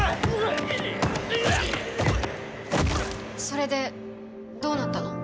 それでどうなったの？